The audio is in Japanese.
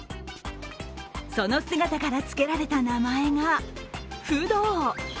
その姿からつけられた名前がフドウ。